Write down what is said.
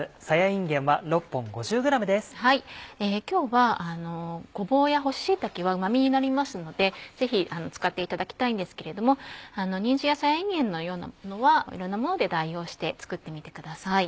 今日はごぼうや干し椎茸はうまみになりますのでぜひ使っていただきたいんですけれどもにんじんやさやいんげんのようなものはいろんなもので代用して作ってみてください。